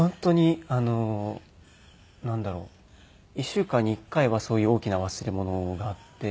１週間に１回はそういう大きな忘れ物があって。